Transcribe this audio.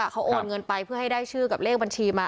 เขาโอนเงินไปเพื่อให้ได้ชื่อกับเลขบัญชีมา